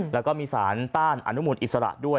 แล้วก็มีสารต้านอนุมูลอิสระด้วย